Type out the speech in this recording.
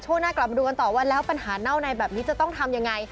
หน้ากลับมาดูกันต่อว่าแล้วปัญหาเน่าในแบบนี้จะต้องทำยังไง